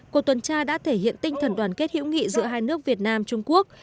cuộc tuần tra đã thể hiện tinh thần đoàn kết hữu nghị giữa hai nước việt nam trung quốc